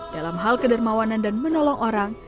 dalam hal kedermawanan dan menolong orang